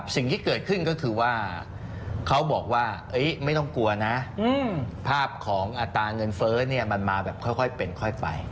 สิ่งที่เกิดขึ้นก็คือว่าเขาบอกว่าไม่ต้องกลัวนะภาพของอัตราเงินเฟ้อเนี่ยมันมาแบบค่อยเป็นค่อยไป